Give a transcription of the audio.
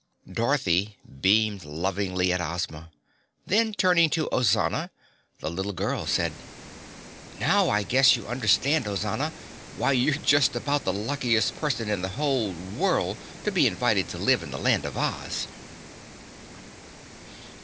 Dorothy beamed lovingly at Ozma. Then, turning to Ozana, the little girl said, "Now I guess you understand Ozana, why you're just about the luckiest person in the whole world to be invited to live in the Land of Oz."